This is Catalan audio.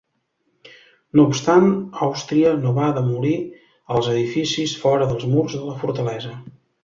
No obstant, Àustria no va demolir els edificis fora dels murs de la fortalesa.